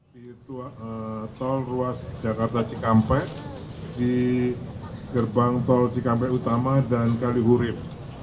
di tol ruas jakarta cikampek di gerbang tol cikampek utama dan kalihurib